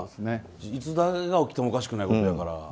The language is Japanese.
いつ何が起きてもおかしくないことですから。